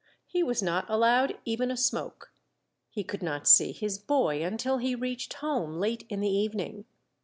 He was not allowed even a smoke. He could not see his boy until he reached home, late in the evening.